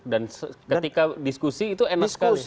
dan ketika diskusi itu enak sekali